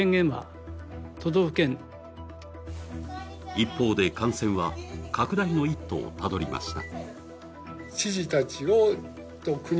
一方で、感染は拡大の一途をたどりました。